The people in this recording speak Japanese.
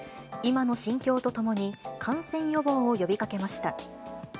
今の心境とともに、感染予防を呼びかけました。